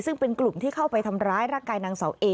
ซึ่งเป็นกลุ่มที่เข้าไปทำร้ายร่างกายนางเสาเอ